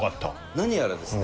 何やらですね